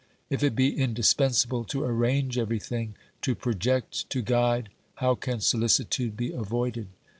If it be indispensable to arrange everything, to project, to guide, how can solicitude be avoided